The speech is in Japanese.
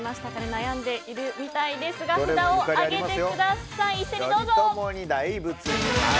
悩んでいるみたいですが札を上げてください。